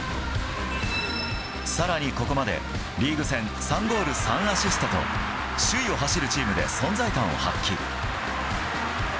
さらにここまでリーグ戦３ゴール３アシストと、首位を走るチームで存在感を発揮。